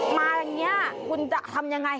มาอย่างนี้คุณจะทำยังไง